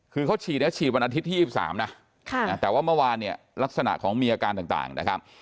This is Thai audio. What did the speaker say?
คือเขาฉีดนะฉีดวันอาทิตย์ที่๒๓นะแต่ว่าเมื่อวานเนี่ยลักษณะของมีอาการต่างนะครับ